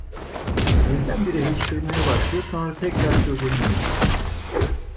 Birdenbire hıçkırmaya başlıyor, sonra tekrar söyleniyordu: